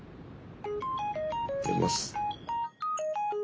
出ます。